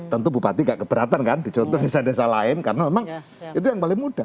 tentu bupati gak keberatan kan dicontoh desa desa lain karena memang itu yang paling mudah